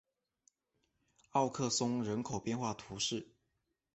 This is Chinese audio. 奥克松人口变化图示